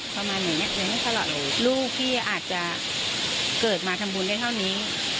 ประมาณเนี้ยอยู่ให้ตลอดเลยลูกที่อาจจะเกิดมาทำบุญได้เท่านี้